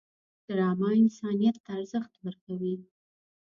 ډرامه انسانیت ته ارزښت ورکوي